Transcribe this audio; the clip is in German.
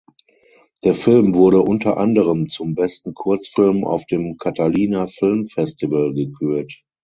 Der Film wurde unter anderen zum besten Kurzfilm auf dem Catalina Film Festival gekürt.